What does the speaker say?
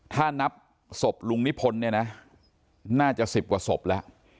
ถ้านับศพลุงนิพนธ์เนี่ยนะน่าจะ๑๐กว่าศพแล้ว